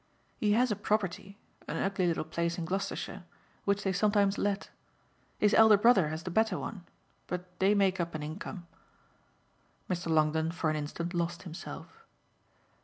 He has a property an ugly little place in Gloucestershire which they sometimes let. His elder brother has the better one, but they make up an income." Mr. Longdon for an instant lost himself.